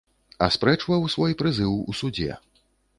Аспрэчваў свой прызыў у судзе.